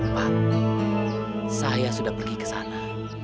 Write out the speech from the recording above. pan saya sudah pergi ke sana